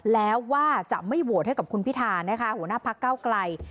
แล้วว่าจะไม่โหวตให้กับคุณพิธานะคะหัวหน้าพักเก้าไกล